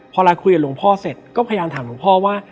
พอไลน์คุยกับหลวงพ่อเสร็จก็พยายามถามหลวงพ่อว่า